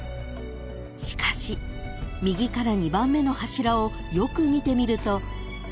［しかし右から２番目の柱をよく見てみると］